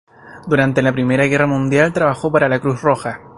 Durante la Primera Guerra Mundial trabajó para la Cruz Roja.